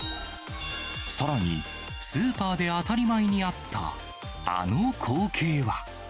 さらに、スーパーで当たり前にあった、あの光景は。